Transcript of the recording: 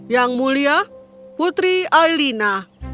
yang mulia putri aelina